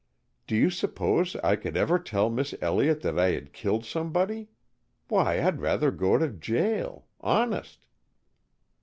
"Do you suppose I could ever tell Miss Elliott that I had killed somebody? Why, I'd rather go to jail. Honest."